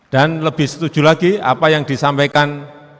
dan lebih setuju lagi apa yang disampaikan